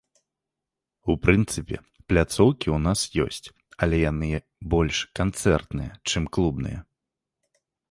У прынцыпе пляцоўкі ў нас ёсць, але яны больш канцэртныя, чым клубныя.